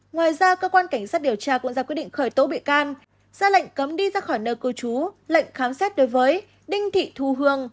ngoài ra cơ quan cảnh sát điều tra cũng ra quyết định khởi tố bị can ra lệnh cấm đi khỏi nơi cư trú lệnh khám xét đối với đinh thị thu hương